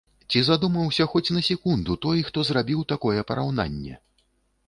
Ці задумаўся хоць на секунду той, хто зрабіў такое параўнанне?